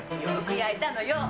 よく焼いたのよ。